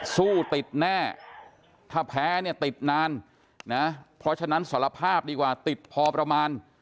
สู้ติดแน่ถ้าแพ้เนี่ยติดนานนะเพราะฉะนั้นสารภาพดีกว่าติดพอประมาณ